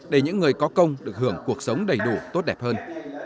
để những người có công được hưởng cuộc sống đầy đủ tốt đẹp hơn